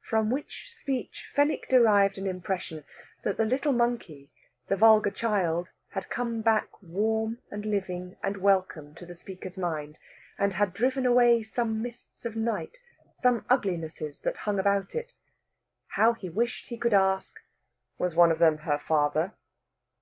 From which speech Fenwick derived an impression that the little monkey, the vulgar child, had come back warm and living and welcome to the speaker's mind, and had driven away some mists of night, some uglinesses that hung about it. How he wished he could ask: "Was one of them her father?"